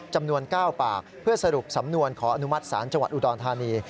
จำนวน๙ปากเพื่อสรุปสำนวนขออนุมัติศาลจังหวัดอุดรธานี